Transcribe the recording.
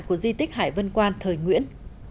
của di tích hải vân quan thời nguyễn